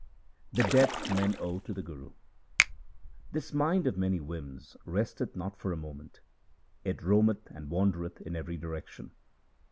The debt men owe to the Guru :— This mind of many whims resteth not for a moment ; it roameth and wandereth in every direction.